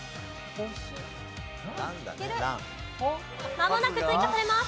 まもなく追加されます。